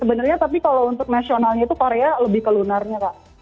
sebenarnya tapi kalau untuk nasionalnya itu korea lebih ke lunarnya kak